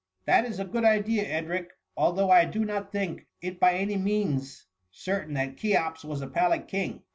'''* That is a good idea, Edric ; though I do not think it by any means certain that Cheops was a Fallic king.